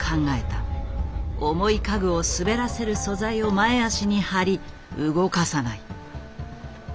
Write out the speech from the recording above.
重い家具を滑らせる素材を前脚に貼り動かさない。